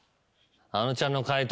あのちゃんの解答